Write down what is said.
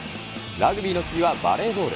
ラグビーの次はバレーボール。